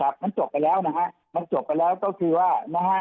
มันจบไปแล้วนะฮะมันจบไปแล้วก็คือว่านะฮะ